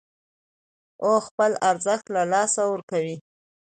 او خپل ارزښت له لاسه ورکوي